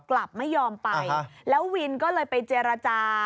กลับไม่ยอมไปแล้ววินก็เลยไปเจรจา